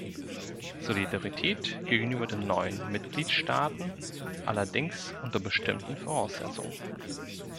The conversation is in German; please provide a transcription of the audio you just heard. Solidarität gegenüber den neuen Mitgliedstaaten, allerdings unter bestimmten Voraussetzungen.